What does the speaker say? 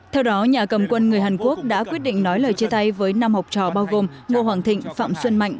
theo đó nhà cầm quân người hàn quốc đã quyết định nói lời chia tay với năm học trò bao gồm ngô hoàng thịnh phạm xuân mạnh